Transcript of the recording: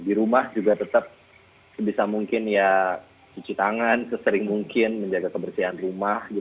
di rumah juga tetap sebisa mungkin ya cuci tangan sesering mungkin menjaga kebersihan rumah